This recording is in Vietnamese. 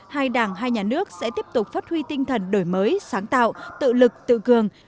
hai đảng hai nhà nước sẽ tiếp tục phát huy tinh thần đổi mới sáng tạo tự lực tự cường